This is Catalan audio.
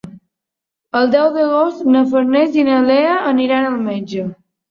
El deu d'agost na Farners i na Lea aniran al metge.